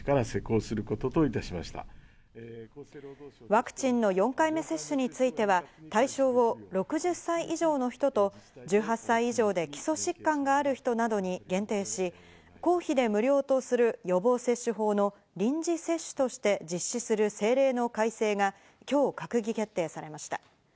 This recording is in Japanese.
ワクチンの４回目接種については、対象を６０歳以上の人と１８歳以上で基礎疾患がある人などに限定し、公費で無料とする予防接種法の臨時接種として、実施する政令の改正が今日、閣議決定されました。